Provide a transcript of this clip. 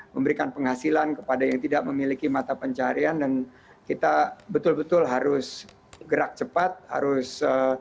memberikan penghasilan kepada yang tidak memiliki mata pencarian dan kita betul betul harus gerak cepat harus